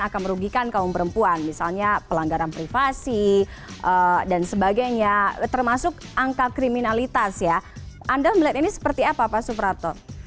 akan merugikan kaum perempuan misalnya pelanggaran privasi dan sebagainya termasuk angka kriminalitas ya anda melihat ini seperti apa pak suprapto